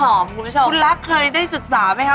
หอมคุณผู้ชมค่ะคุณลักษมณ์เคยได้ศึกษาไหมคะ